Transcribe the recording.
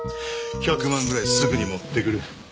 １００万ぐらいすぐに持ってくる。